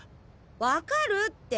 わかるって。